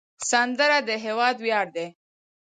سندره د هیواد ویاړ دی